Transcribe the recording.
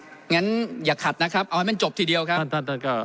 งั้นอย่าขัดนะครับเอาให้มันจบทีเดียวครับท่านท่านก็